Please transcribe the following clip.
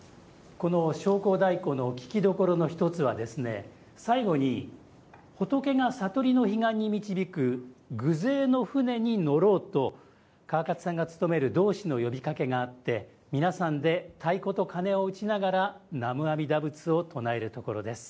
この「焼香太鼓」の聞きどころの１つは最後に、仏が悟りの彼岸に導く弘誓の船に乗ろうと川勝さんが務める導師の呼びかけがあって皆さんで太鼓と鉦を打ちながら南無阿弥陀仏を唱えるところです。